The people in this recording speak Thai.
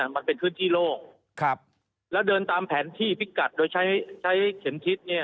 มันเป็นพื้นที่โลกแล้วเดินตามแผนที่พิกัดโดยใช้ใช้เข็มทิศเนี่ย